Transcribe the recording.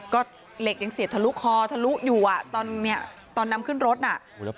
ก็เหล็กยังเสียบทะลุคอทะลุอยู่อ่ะตอนเนี่ยตอนนำขึ้นรถน่ะ